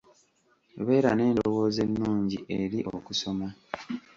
Beera n'endowooza ennungi eri okusoma.